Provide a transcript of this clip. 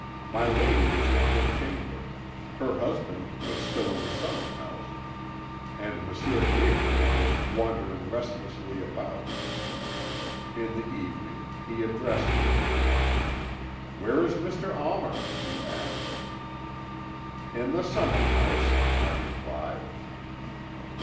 My lady was in her chamber, her husband was still in the summer house, and M. Gabriel was wandering restlessly about. In the evening he addressed me. "'Where is Mr. Almer?' he asked. "'In the summer house,' I replied.